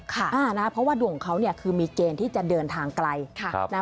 ค่ะนะคะเพราะว่าดวงเขาเนี่ยคือมีเกณฑ์ที่จะเดินทางไกลค่ะนะ